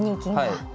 はい。